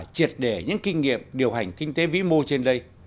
triệt để những kinh nghiệm điều hành kinh tế vĩ mô trên đây